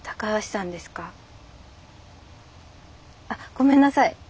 あっごめんなさい。